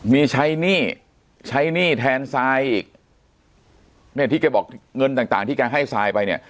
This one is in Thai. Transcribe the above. มีใช้หนี้ใช้หนี้แทนซายอีกเนี่ยที่แกบอกเงินต่างต่างที่แกให้ทรายไปเนี่ย